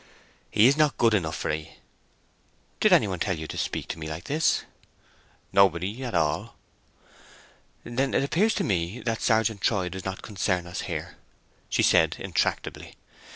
"He is not good enough for 'ee." "Did any one tell you to speak to me like this?" "Nobody at all." "Then it appears to me that Sergeant Troy does not concern us here," she said, intractably.